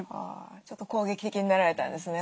ちょっと攻撃的になられたんですね